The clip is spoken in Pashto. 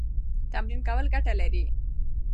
تمرین کول ګټه لري.